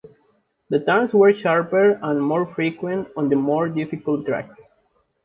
The turns were sharper and more frequent on the more difficult tracks.